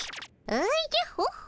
おじゃホッホ。